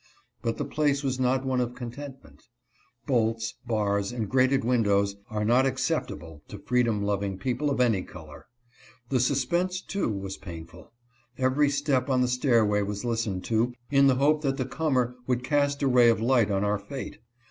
But the place was not one of contentment. Bolts, 216 LEFT ALONE IN PRISON. bars, and grated windows are not acceptable to freedom loving people of any color. The suspense, too, was pain ful. Every step on the stairway was listened to, in the hope that the comer would cast a ray of light on our fate.